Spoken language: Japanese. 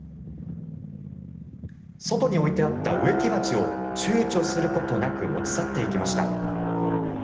外に置いてあった植木鉢を躊躇することなく持ち去っていきました。